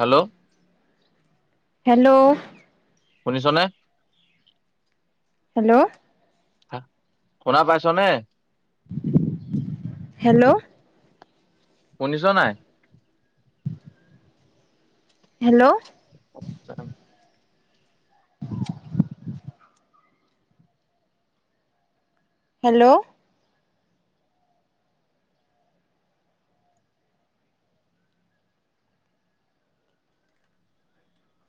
Hello hello শুনিছ নে hello হা শুনা পাইছ নে হেল্ল' শুনিছ নাই হেল্ল' অ কোৱা হেল্ল'!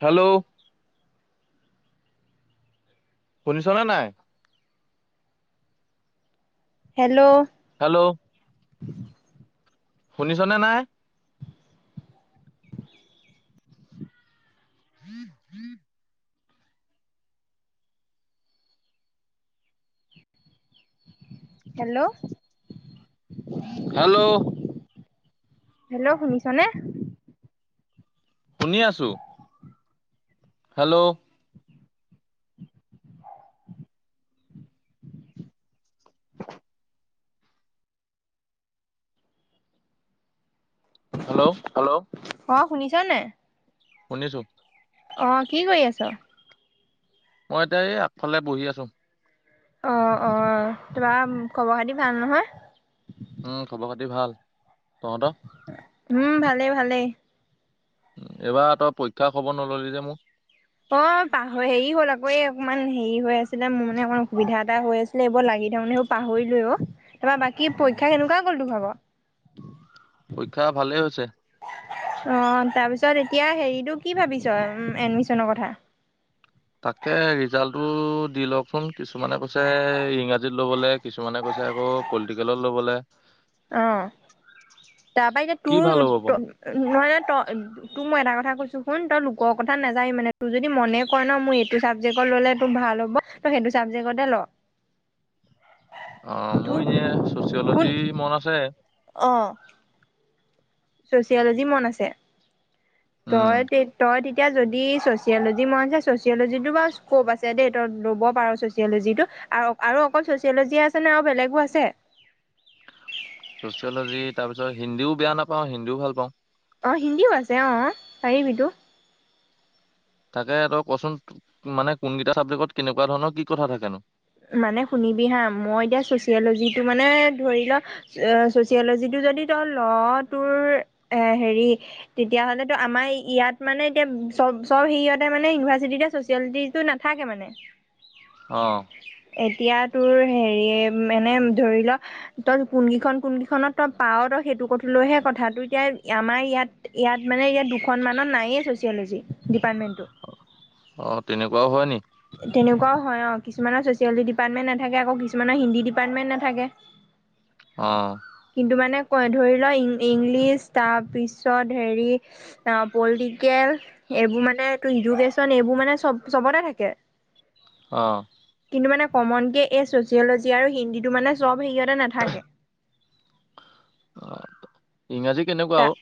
হাল্লো'! শুনিছ নে নাই? হেল্ল'! হেল্ল'! শুনিছ নে নাই? [inaudible] হেল্ল'! হেল্ল'! হেল্ল' শুনিছ নে? শুনি আছোঁ। হেল্ল'! [inaudible] হাল্লো'! হেল্ল' অ', শুনিছ নে নাই? শুনিছোঁ। অ', কি কৰি আছ? মই এতিয়া এই আগফালে বহি আছোঁ। অ', অ', তোমাৰ খবৰ পাতি ভাল নহয়? উম, খবৰ পাতি ভাল। তহঁত? উম, ভালেই, ভালেই। এইবাৰ তই পৰীক্ষা খবৰ নল'লি যে মোক? অ', পাহ হেৰি হ'ল আকৌ এই অকমান হেৰি হৈ আছিলে, মোৰ মানে অকমান অসুবিধা এটা হৈ আছে। লেব লাগি তাৰমানে সেই পাহৰিলোৱে অ'। তাৰাপৰা বাকী পৰীক্ষা কেনেকুৱা গ'ল তোৰ? [unintelligible] পৰীক্ষা ভালে হৈছে। অ', তাৰপিছত এতিয়া হেৰিতটো কি ভাবিছ এডমিশ্যনৰ কথা? তাকে ৰিজাল্টটো দি লওঁকচোন। কিছুমানে কৈছে, ইংৰাজীত ল'বলৈ কিছুমানে কৈছে আকৌ পলিটিকেলত ল'বলে। অ', তাৰপা এতিয়া কি তোৰ, ভাল হ'ব বাৰু? নহয় ন' তই তোৰ মই এটা কথা কৈছো শুন, তই লোকৰ কথা নাযাবি মানে। তোৰ যদি মনে কয় ন' মোৰ এইটো চাবজেক্টত ল'লে তোৰ ভাল হ'ব তই সেইটো চামজেক্টতে ল'। অ', মোৰ তোৰ এনেই শুন ছ'চিয়'লজি মন আছে। অ'। চ'চিয়লজি মন আছে। উম তই তে তই এতিয়া যদি চ'চিয়লজি মন আছে চচিয়লজিটো বাৰু স্ক'প আছে দেই ল'ব পাৰ ছচিয়লজিটো আৰু আৰু অকল ছ'চিয়লজিয় আছেনে আৰু বেলেগো আছে? চ'চিয়লজি তাৰ পিছত হিন্দীও বেয়া নাপাওঁ হিন্দীও ভাল পাওঁ। অ', হিন্দীও আছে, অ', পাৰিবিটো। তাকে তই ক'চোন মানে কোনকেইটা ছাবজেক্টত কেনেকুৱা ধৰণৰ কি কথা থাকেনো? মানে শুনিবি হা' মই এতিয়া চ'চিয়লজিটো মানে ধৰি ল' চ'চিয়লজিটো যদি তই ল' তোৰ এ, হেৰি তেতিয়া হ'লেতো আমাৰ ইয়াত মানে এতিয়া চব, চব হেৰিয়তে মানে ইউনিভাৰ্চিটি চ'চিয়েলটি তো নাথাকে মানে। অ'। এতিয়া তোৰ হেৰি মানে ধৰি ল' তই কোন কেইখন কোন কেইখনত তই পাওঁ তই সেইটোক লৈহে কথা, তোৰ এতিয়া আমাৰ ইয়াত ইয়াত মানে ইয়াত দুখনমানত নায়য়েই ছ'চিয়'লজি ডিপাৰ্টমেণ্টটো। অ', তেনেকুৱাও হয় নি? তেনেকুৱাও হয় অ', কিছুমানৰ ছচিয়লি ডিপাৰ্টমেণ্ট নাথাকে আকৌ কিছুমান হিন্দী ডিপাৰ্টমেণ্ট নাথাকে। [inaudible] অ'। কিন্তু মানে কয় ধৰি লও ইং-ইংলিছ তাৰপিছত হেৰি অ' পলিটিকেল এইবোৰ মানে এইটো ইডুকেচন এইবোৰ মানে চব চবতে থাকে। অ'। কিন্তু মানে কমনকে এই ছচিয়ল'জি আৰু হিন্দীটো মানে চব হেৰিয়তে নাথাকে। অ' ইংৰাজী কেনেকুৱা তা আৰু?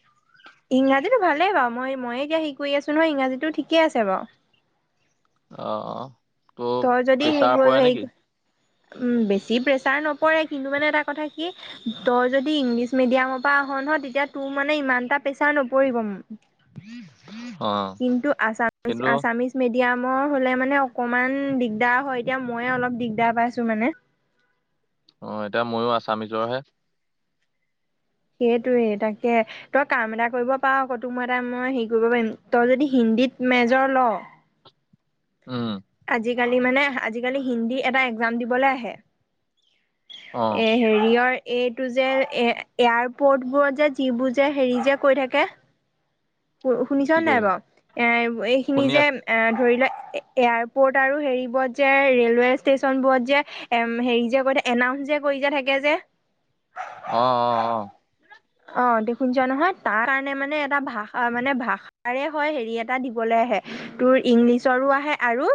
ইংৰাজীটো ভালেই বাৰু, মই ময়ে এতিয়া সে কৰি আছোঁ নহয়, ইংৰাজীটো ঠিকে আছে বাৰু। অ', অ', তোক তই যদি হে প্ৰেছাৰ পৰে হেৰি নেকি? উম, বেছি প্ৰেছাৰ নপৰে কিন্তু মানে এটা কথা কি তই যদি যদি ইংলিছ মিডিয়ামৰ পৰা আহ নহয় তেতিয়া তোৰ মানে ইমান এটা প্ৰেচাৰ নপৰিব। অ'। কিন্তু আছামিছ, কিন্তু আছামিছ মিডিয়ামৰ হ'লে মানে অকমান দিগদাৰ হয়, এতিয়া ময়ে অলপ দিগদাৰ পাইছোঁ মানে। অ', এতিয়া ময়ো আছামিজৰহে। সেইটোৱে, তাকে। তই কাম এটা কৰিব পাৰ আকৌ, তোক মই এটা মই হেৰি কৰিব পাৰিম তই যদি হিন্দীত মেজৰ লও উম। আজিকালি মানে আজিকালি হিন্দী এটা একজাম দিবলে আহে অ এ, হেৰিয়ৰ এইটো যে এ-এয়াৰপৰ্টবোৰত যে যিবোৰ যে হেৰি যে কৈ থাকে শুনিছ কি কৰি নাই থাক বাৰু এ, এইখিনি শুনি যে আছো এ, ধৰি লোৱা এয়াৰপৰ্ট আৰু হেৰিবোৰত যে ৰেলৱে ষ্টেচনবোৰত যে এম হেৰি যে কৈ থাক, এনাউঞ্চ যে কৰি যে থাকে যে অ', অ', অ'। অ' দেখোন যোৱা নহয় তাৰ কাৰণে মানে এটা ভাষা মানে ভাষ তাৰে হয় হেৰি এটা দিবলৈ আহে, তোৰ ইংলিছৰো আহে আৰু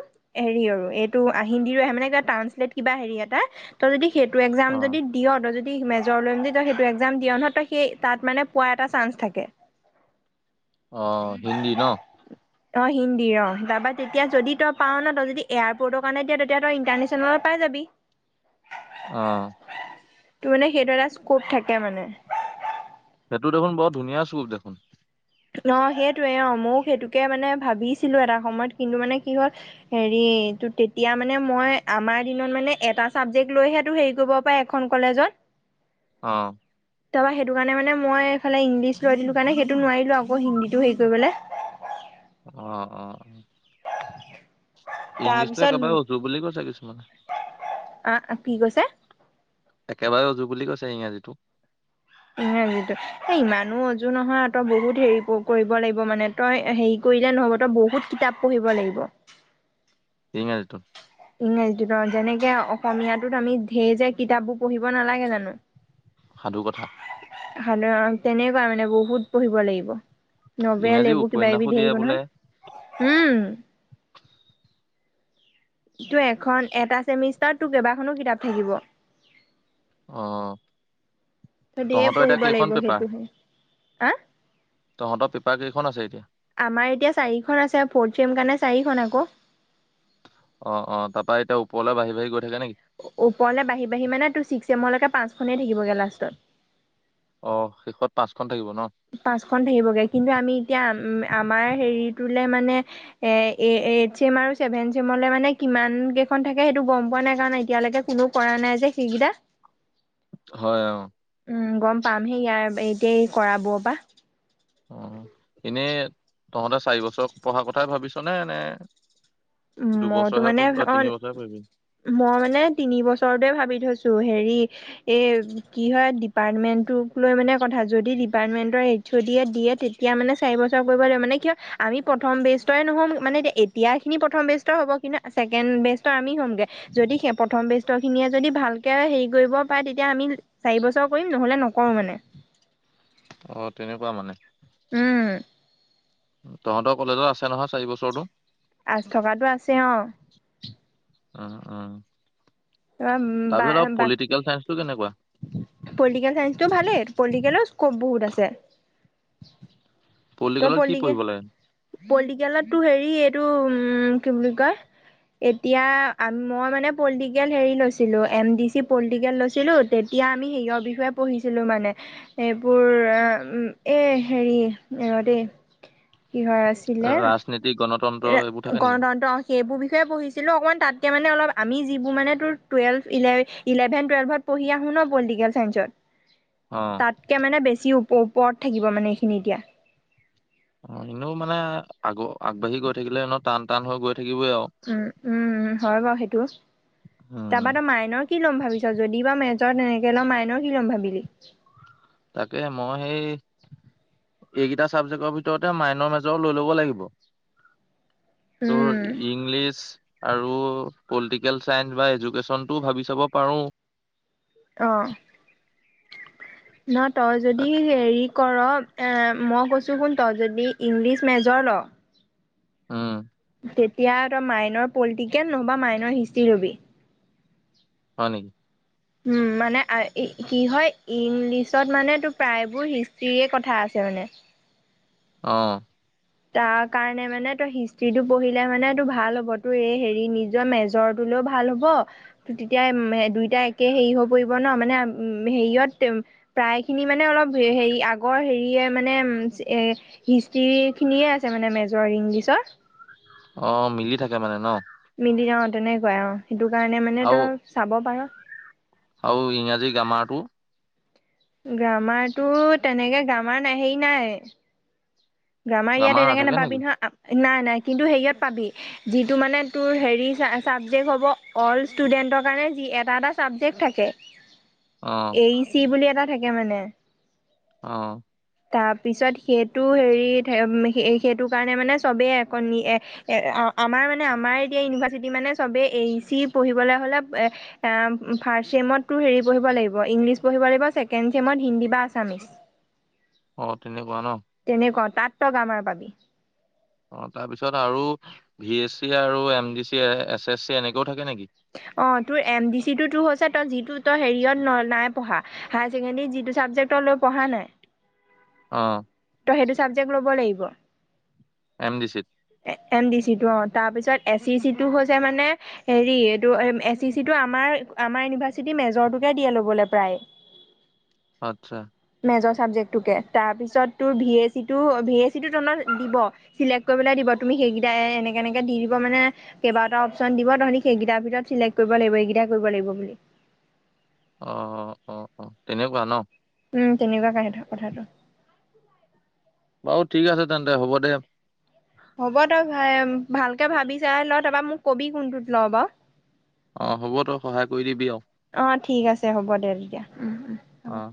হেৰি আৰু এইটো আ, হিন্দী [unintelligible] মানে কিবা ট্ৰানঞ্চলেট কিবা হেৰি এটা তই যদি সেইটো এক্সাম অ যদি দিয়, তই যদি মেজৰ লৈ যদি তই সেইটো এক্সাম দিয় নহয় তই সেই তাত মানে পোৱা এটা চান্স থাকে। অ', হিন্দী ন'? [inaudible] অ', হিন্দীৰ অ', তাৰপা তেতিয়া যদি তই পাওঁ ন' তই যদি এয়াৰপৰ্টৰ কাৰণে দিয় তেতিয়া তই ইণ্টাৰনেচনেলত পাই যাবি। [inaudible] অ',। তোৰ মানে সেইটো এটা স্কপ থাকে মানে। সেইটো দেখোন বৰ ধুনীয়া চুক দেখোন। অ' সেইটোয়ে অ' ময়ো সেইটোকে মানে ভাবিছিলোঁ এটা সময়ত কিন্তু মানে কি হ'ল হেৰি তোৰ তেতিয়া মানে মই আমাৰ দিনত মানে এটা চাবজেক্ট লৈহে হেৰি কৰিব পা খন কলেজত। অ'। তাৰ পৰা সেইটো কাৰণে মানে মই এইফালে ইংলিছ লৈ দিলো কাৰণে সেইটো নোৱাৰিলো আকৌ হিন্দীটো হেৰি কৰিবলে অ অ [unintelligible] ইংলিছতটো তাৰপিছত একেবাৰে অজু বুলি কৈছে কিছুমানে আ কি কৈছে? একেবাৰে ওজু বুলি কৈছে ইংৰাজীটো। ইংৰাজীটো এ ইমানো ওজু নহয় আত বহুত হেৰি কৰিব লাগিব মানে তই হেৰি কৰিলে নহ'ব তই বহুত কিতাপ পঢ়িব লাগিব। ইংৰাজীটো ইংৰাজীটোত অ যেনেকে অসমীয়াটোত আমি ঢেৰ যে কিতাপবোৰ পঢ়িব নালাগে জানো সাধু কথা সাধাৰণ তেনেকুৱা মানে বহুত পঢ়িব লাগিব নবেল ইংৰাজী এইবোৰ কিবা কিবি উপন্যাসো ধেই দিয়ে আহিব বোলে নহয় হম তোৰ এখন এটা চেমিষ্টাৰত তোৰ কেইবাখনো কিতাপ থাকিব অ', ধেই তহঁতৰ এতিয়া পঢ়িব কেইখন লাগিব পেপাৰ সেইটোহে হা তহঁতৰ পেপাৰ কেইখন আছে এতিয়া আমাৰ এতিয়া চাৰিখন আছে ফ'ৰ্থ চেম কাৰণে চাৰিখন আকৌ অ', অ', তাৰপা এতিয়া ওপৰলৈ বাঢ়ি বাঢ়ি গৈ থাকে নেকি ওপৰলৈ বাঢ়ি বাঢ়ি মানে তোৰ ছিক্স এমলৈকে পাঁচখনেই থাকিবগৈ লাষ্টত অ', শেষত পাঁচখন থাকিব ন পাঁচখনন থাকিবগে কিন্তু আমি এতিয়া আমাৰ হেৰিটোলে মানে এ এইট চেম আৰু চছেভেন চেমলে মানে কিমান কেইখন থাকে সেইটো গম পোৱা নাই কাৰণ এতিয়ালৈকে কোনো কৰা নাই যে সেইকেইটা হয় অ', উম গম পাম হেই ইয়াৰ এতিয়া কৰা বোৰৰ পৰা অ', এনেই তহঁতে চাৰি বছৰ পঢ়াৰ কথাই ভাবিছ নে নে উম মইতো দুবছৰহে মানে পঢ় অ তিনিছৰে পঢ়িবি মই মানে তিনি বছৰতে ভাবি থৈছো হেৰি এ কি হয় ডিপাৰ্টমেন্ট লৈ মানে কথা যদি ডিপাৰ্টমেন্টৰ থ দিয়ে দিয়ে তেতিয়া মানে চাৰি বছৰ কৰিব লাগিব মানে কিয় আমি প্ৰথম বেজটৰে নহ'ম মানে এতিয়া খিনি প্ৰথম বেষ্টৰ হ'ব কিন্তু ছেকেণ্ড বেষ্টৰ আমি হ'মগৈ যদি সেই প্ৰথম বেষ্ট খিনিয়ে যদি ভালকে হেৰি কৰিব পাৰে তেতিয়া আমি চাৰি বছৰ কৰিম নহ'লে নকৰো মানে অ', তেনেকুৱা মানে উম, তহঁতৰ কলেজত আছে নহয় চাৰি বছৰটো থকাতটো আছে অ',। উ উম তাৰপিছত আৰু বা পলিটিকেল চাইন্স টো কেনেকুৱা পলিটিকেল চাইন্সটো ভালেই পলিটিকেলৰ স্কপ বহুত আছে তই পলিটিকেলত কি পলটিক পঢ়িব লাগে পলিটিকেলতটো হেৰি এইটো উ কি বুলি কয় এতিয়া মই মানে পলিটিকেল হেৰি লৈছিলোঁ এম ডি চি পলিটিকেল লৈছিলোঁ তেতিয়া আমি সেয়ৰ বিষয়ে পঢ়িছিলোঁ মানে সেইবোৰ এই হেৰি ৰ ডেই কিহৰ আছে ৰাজনীতিক গণতন্ত্ৰ এইবোৰ থাকে নেকি? গণতন্ত্ৰ সেইবোৰ বিষয়ে পঢ়িছিলোঁ অকণমানাতকৈ মানে অপ আমি যিবোৰ মান তোৰ টুৱেলভ ইলেভ ইলেভেন টুৱেল্ভত- পঢ়ি আহো ন পলিটিকেল চাইন্সত। অঁ! তাতকৈ মানে বেছিও ওপৰত থাকিব মানে এইখিনি এতিয়া- অঁ এনেও মানে আগ আগবাঢ়ি গৈ থাকিলে টান টান হৈ গৈ থাকিবই আও উমঁ উমম হয় বাৰু সেইটো উম, তাৰপৰা ত মাইনৰ- কি ল'ম ভাবিছা যদি বা মেজৰ তেনেকে ল'ম মইনৰ কি ল'ম ভাবিলি- তাকে মই সেই- এইকেইটা ছাবজেক্টৰ ভিতৰতে মাইনৰ মেজৰ লৈ ল'ব লাগিব- অ'। টোৰ- ইংলিছ আৰু পলিটিকেল চাইন্স বা এডুকেশচন টোও ভাবি চাব পাৰো। অঁ! ন তই যদি হেৰি- কৰ মই এ মই কৈছোঁ কোন তই যদি ইংলিছ মেজৰ ল। ওম। তেতিয়া তই মাইনৰ পলিটিকেল নহ'বা মাইনৰ হিষ্ট্ৰি ল'বি। হয় নেকি? উমঁ মানে কি হয় ইংলিছত মানে তোৰ প্ৰায়বোৰ হিষ্ট্ৰিৰে কথা আছে মানে। অঁ! তাৰ কাৰণে মানে তই হিষ্টিটো পঢ়িলে মানে তোৰ ভাল হ'ব তোৰ এই হেৰি নিজৰ মেজৰ- তোলৈও ভাল হ'ব। তেতিয়া মে দুইটাই একে হেৰি হৈ পৰিব ন মানে হেৰিয়ত- প্ৰায় খিনি মানে অলপ হেৰি আগৰ হেৰিয়ে মানে এ হিষ্টিত- খিনিয়ে আছে মানে মেজৰ ইংলিছৰ। অঁ মিলি থাকে মানে ন? মিলি যাওঁ তেনেকুৱাই অঁ আৰু সেইটো কাৰণে মানে আৰু তই চাব পাৰ'। আৰু ইংৰাজী গ্ৰামাৰটো। গ্ৰামাৰটো তেনেকে গ্ৰামাৰ নাই হেৰি নাই। গ্ৰামাৰ ইয়াত এনেকে নাথাকে নাপাবি নেকি নহয়। নাই নাই কিন্তু হেৰিয়াত পাবি। যিটো মানে তোৰ হেৰি ছাবজেক্ট হ'ব অল ষ্টুডেণ্টৰ কাৰণে এটা এটা ছাবজেক্ট থাকে। [inaudible] অঁ এ ই চি বুলি এটা থাকে মানে। অঁ'। তাৰপিছত সেইটো হেৰি সেইটো কাৰণে মানে চবেই একনি এই এ আমাৰ মানে আমাৰ এতিয়া ইউনিভাৰ্চিটি মানে চবেই এ ই চি পঢ়িবলৈ হ'লে এ- ফাৰ্ষ্ট ছেমত তোৰ হেৰি পঢ়িব লাগিব ইংলিছ পঢ়িব লাগিব ছেকেণ্ড চেমত হিন্দী বা আছামিছ। অঁ তেনেকুৱা ন'। তেনেকুৱা অঁ তাত তই গ্ৰামাৰ পাবি। অঁ তাৰপিছত আৰু ভি এছ চি আৰু M D C S S C এনেকৈও থাকে নেকি? অঁ তোৰ এম ডি চি তোৰ হৈছে তই যিটো তই হেৰিয়ত নাই পঢ়া। হায়াৰ ছেকেণ্ডাৰীত যিটো ছাবজেক্ট লৈ পঢ়া নাই। অঁ। তই সেইটো ছাবজেক্ট ল'ব লাগিব। এম ডি চিত? এম ডি চিটো অ' তাৰপিছত এ চি চিটো হৈছে মানে হেৰি এইটো এ চি চি টো আমাৰ আমাৰ ইউনিভাৰ্চিটি মেজৰটোকে দিয়ে ল'বলে প্ৰায়। [inaudible] আচ্ছা। মেজৰ ছাবজেক্টোকে তাৰপিছত তোৰ ভি এ চিটো ভি এ চিটো তহঁতক দিব। চিলেক্ট কৰিবলে দিব তুমি সেইকেইটা এ এনেকে এনেকে দি দিব মানে কেইবাটাও অপচন দিব তহতি সেইকেইটাৰ ভিতৰত চিলেক্ট কৰিব লাগিব এইকেইটা কৰিব লাগিব বুলি। অ'অ'অ'অ 'তেনেকুৱা ন? উম তেনেকুৱা কা সেইটো কথাটো। বাৰু ঠিক আছে তেন্তে হ'ব দে। হ'ব তই ভ ভালকে ভাবি চাই ল তাৰপৰা মোক কবি কোনটোত ল' বাও। অ হ'ব তই সহায় কৰি দিবি আৰু অঁ ঠিক আছে হ'ব দে তেতিয়া উম। অঁ।